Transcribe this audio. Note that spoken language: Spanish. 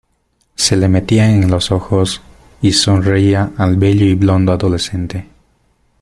se le metían en los ojos, y sonreía al bello y blondo adolescente.